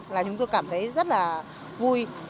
là chúng tôi cảm thấy rất là vui